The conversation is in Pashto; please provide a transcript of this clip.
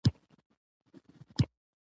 چې دا صفتونه فزيکي موصوف نه لري